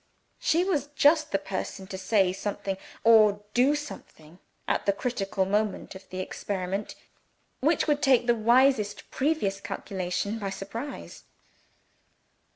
She was just the person to say something or do something, at the critical moment of the experiment, which would take the wisest previous calculation by surprise.